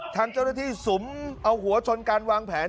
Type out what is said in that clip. ทางเจ้าหน้าที่สุมเอาหัวชนการวางแผน